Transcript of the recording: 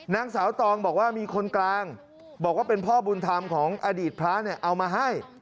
นางสาวตองบอกว่ามีคนกลางบอกว่าเป็นพ่อบุญธรรมของอดีตพระเนี่ยเอามาให้